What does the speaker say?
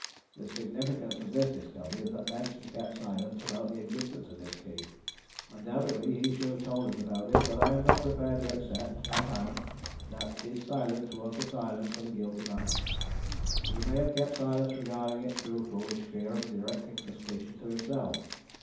The significance of this discovery is that Benson kept silence about the existence of this key. Undoubtedly he should have told us about it, but I am not prepared to accept, offhand, that his silence was the silence of a guilty man. He may have kept silence regarding it through a foolish fear of directing suspicion to himself.